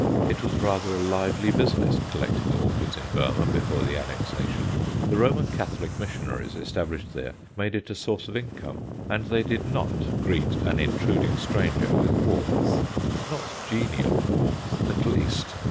It was rather a lively business collecting orchids in Burmah before the annexation. The Roman Catholic missionaries established there made it a source of income, and they did not greet an intruding stranger with warmth not genial warmth, at least.